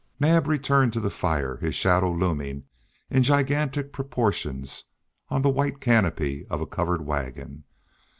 Naab returned to the fire, his shadow looming in gigantic proportions on the white canopy of a covered wagon.